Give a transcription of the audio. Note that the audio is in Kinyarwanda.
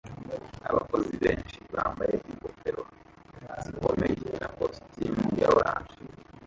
Abakozi benshi bambaye ingofero zikomeye na kositimu ya orange